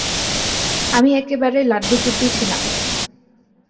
আমি একেবারে লাড্ডুগুড্ডু ছিলাম।